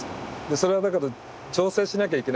それはだけど調整しなきゃいけないんですね。